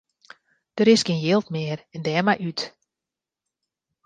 Der is gjin jild mear en dêrmei út.